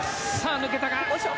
抜けたか。